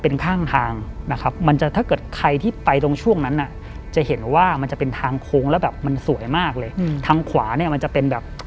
เป็นข้างทางนะครับมันจะถ้าเกิดใครที่ไปตรงช่วงนั้นน่ะจะเห็นว่ามันจะเป็นทางโค้งแล้วแบบมันสวยมากเลยทางขวาเนี่ยมันจะเป็นแบบ